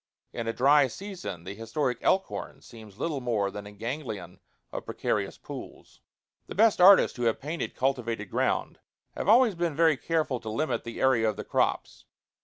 In a dry season the historic Elkhorn seems little more than a ganglion of precarious pools. IV The best artists who have painted cultivated ground have always been very careful to limit the area of the crops.